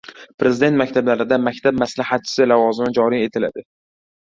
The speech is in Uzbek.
Prezident maktablarida «Maktab maslahatchisi» lavozimi joriy etiladi